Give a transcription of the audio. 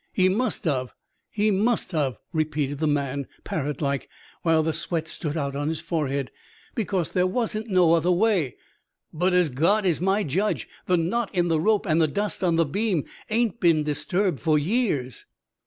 'He must of, he must of,' repeated the man, parrot like, while the sweat stood out on his forehead, 'because there wasn't no other way; but as God is my judge, the knot in the rope and the dust on the beam ain't been disturbed for years.'"